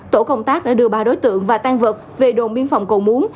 tổ công tác đã đưa ba đối tượng và tan vật về đồn biên phòng cầu muốn